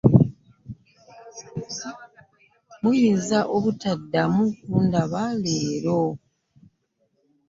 Muyinza obutaddamu kundaba leero.